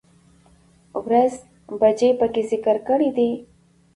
،ورځ، بجې په کې ذکر کړى دي